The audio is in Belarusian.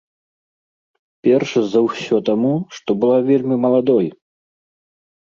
Перш за ўсё таму, што была вельмі маладой.